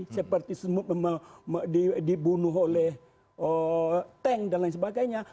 seperti dibunuh oleh tank dan lain sebagainya